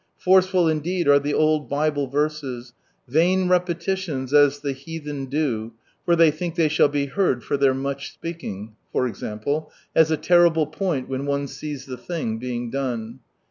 Forceful indeed are the old liible verses— "Vain repetitions as the heatheu do, for they think they shall be heard for their much speaking," for example, has a terrible ])oint when one sees the thing being done.